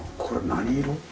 これ何色？